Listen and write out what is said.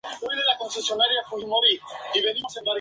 Yo probablemente no lo haría si me sintiera de otra manera".